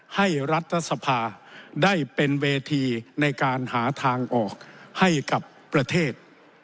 รัฐสภาได้เป็นเวทีในการหาทางออกให้กับประเทศ